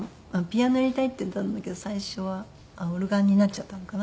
「ピアノやりたい」って言ったんだけど最初はオルガンになっちゃったのかな。